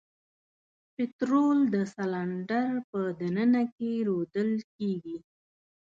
پطرول د سلنډر په د ننه کې رودل کیږي.